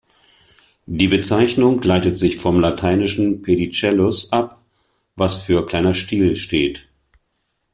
Die Bezeichnung leitet sich vom lateinischen „"pedicellus"“ ab, was für 'kleiner Stiel' steht.